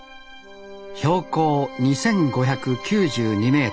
標高２，５９２メートル。